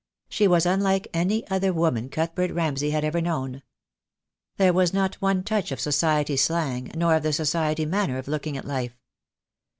She was unlike any other woman Cuthbert Ramsay had ever known. There was not one touch of society slang, nor of the society manner of looking at life.